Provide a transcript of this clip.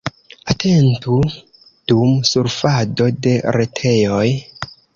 Atentu dum surfado de retejoj.